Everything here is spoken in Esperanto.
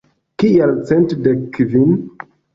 Kial cent dek kvin?